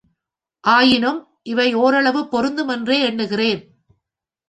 ஆயினும் இவை ஓரளவு பொருந்தும் என்றே எண்ணுகிறேன்.